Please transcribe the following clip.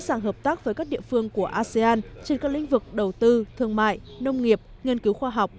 sàng hợp tác với các địa phương của asean trên các lĩnh vực đầu tư thương mại nông nghiệp